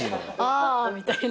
あみたいな。